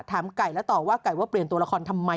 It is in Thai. ไก่และตอบว่าไก่ว่าเปลี่ยนตัวละครทำไม